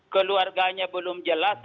keluarganya belum jelas